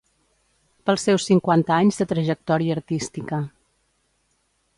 Pels seus cinquanta anys de trajectòria artística.